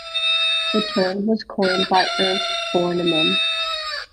The term was coined by Ernest Borneman.